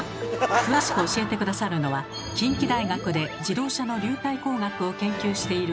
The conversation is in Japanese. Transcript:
詳しく教えて下さるのは近畿大学で自動車の流体工学を研究している